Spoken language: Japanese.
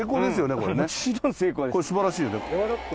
これ素晴らしいよね。